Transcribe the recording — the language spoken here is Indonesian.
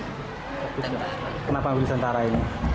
kenapa ambil sentara ini